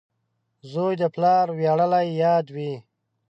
• زوی د پلار ویاړلی یاد وي.